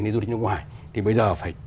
đến du lịch nước ngoài thì bây giờ phải